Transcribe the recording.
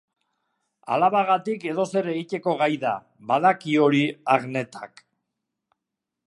Alabagatik edozer egiteko gai da, badaki hori Agnetak.